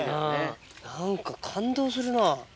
何か感動するな。